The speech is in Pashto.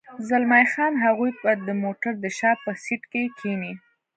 زلمی خان: هغوی به د موټر د شا په سېټ کې کېني.